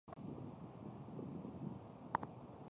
绒额䴓为䴓科䴓属的鸟类。